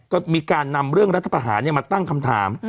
ก็มีการนำเรื่องรัฐภาษณ์เนี่ยมาตั้งคำถาม